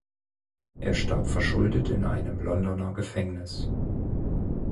Er starb verschuldet in einem Londoner Gefängnis.